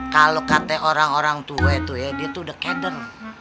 kalau kata orang orang tua itu ya dia tuh the catdon